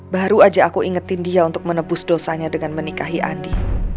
baru aja aku ingetin dia untuk menebus dosanya dengan menikahi andi